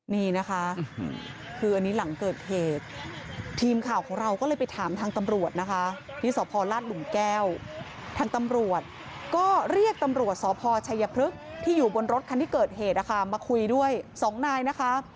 นี่นะคะคืออันนี้หลังเกิดเหตุทีมข่าวของเราก็เลยไปถามทางตำรวจนะคะที่สพลาดหลุมแก้วทางตำรวจก็เรียกตำรวจสพชัยพฤกษ์ที่อยู่บนรถคันที่เกิดเหตุนะคะมาคุยด้วยสองนายนะคะ